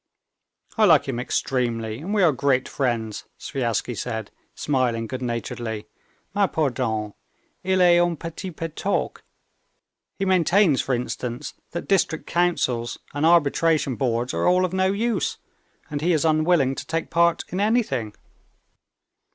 "I like him extremely, and we are great friends," Sviazhsky said, smiling good naturedly. "Mais pardon, il est un petit peu toqué; he maintains, for instance, that district councils and arbitration boards are all of no use, and he is unwilling to take part in anything."